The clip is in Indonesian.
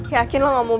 itu bikin aku bab